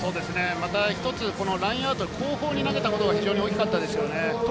また一つラインアウト、後方に投げたことが非常に大きかったですよね。